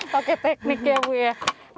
pakai teknik ya bu ya